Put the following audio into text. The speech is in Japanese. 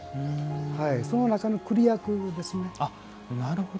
その中の栗役ですね。